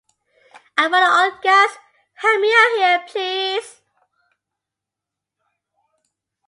I'm running low on gas; help me out here, please.